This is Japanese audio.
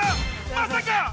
まさか！